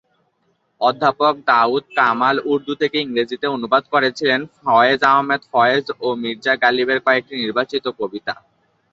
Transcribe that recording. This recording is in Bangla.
অধ্যাপক দাউদ কামাল উর্দু থেকে ইংরেজিতে অনুবাদ করেছিলেন ফয়েজ আহমেদ ফয়েজ ও মির্জা গালিবের কয়েকটি নির্বাচিত কবিতা।